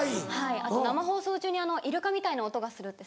あと生放送中にイルカみたいな音がするって。